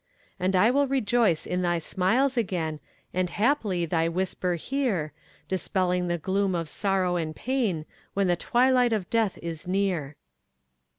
And I will rejoice in thy smiles again, And hap'ly thy whisper hear; Dispelling the gloom of sorrow and pain, When the twilight of death is near.